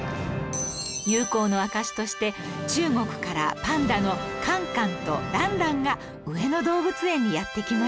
友好の証しとして中国からパンダのカンカンとランランが上野動物園にやって来ました